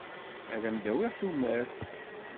Ad am-d-awiɣ tumert.